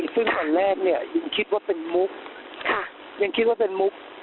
ซึ่งอันแรกเนี่ยยังคิดว่าเป็นมุกยังคิดว่าเป็นมุก